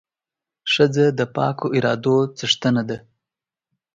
ښځه د پاکو ارادو څښتنه ده.